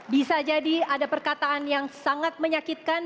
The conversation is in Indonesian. bisa jadi ada perkataan yang sangat menyakitkan